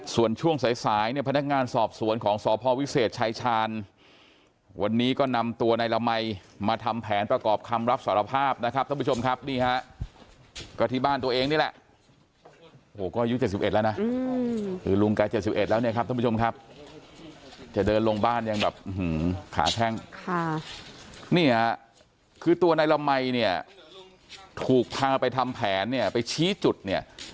ส่วนช่วงสายสายเนี่ยพนักงานสอบสวนของสพวิเศษชายชาญวันนี้ก็นำตัวในละมัยมาทำแผนประกอบคำรับสารภาพนะครับท่านผู้ชมครับนี่ฮะก็ที่บ้านตัวเองนี่แหละโหก็อายุ๗๑แล้วนะคือลุงแก๗๑แล้วเนี่ยครับท่านผู้ชมครับจะเดินลงบ้านยังแบบขาแท่งค่ะเนี่ยคือตัวนายละมัยเนี่ยถูกพาไปทำแผนเนี่ยไปชี้จุดเนี่ย